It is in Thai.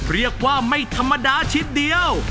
เรียกว่าไม่ธรรมดาชิดเดียว